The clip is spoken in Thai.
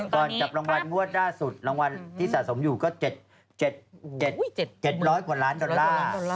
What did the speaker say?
ก่อนจับรางวัลงวดล่าสุดรางวัลที่สะสมอยู่ก็๗๐๐กว่าล้านดอลลาร์